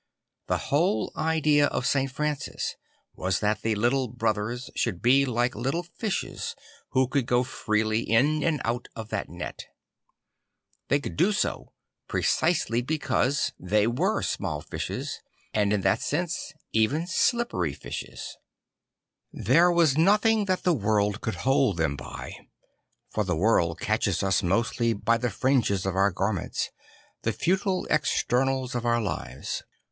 The whole idea of St. Francis was that the Little Brothers should be like little fishes who could go freely in and out of that net. They could do so precisely because 118 St. Francis of Assisi they were small fishes and in tha t sense even slippery fishes. There was nothing that the world could hold them by; for the world catches us mostly by the fringes of our garments, the futile externals of our lives.